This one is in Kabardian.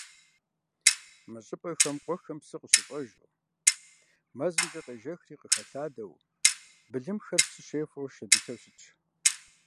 Мы щӀыпӀэхэм, къуэхэм псы къыщыщӀэжу, мэзымкӀэ къежэхри къыхэлъадэу, былымхэр псы щефэу шэдылъэу щытщ.